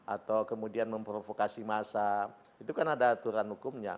atau kemudian memprovokasi massa itu kan ada aturan hukumnya